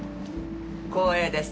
光栄です。